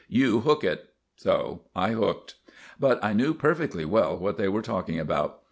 "You hook it." So I hooked. But I knew perfectly well what they were talking about.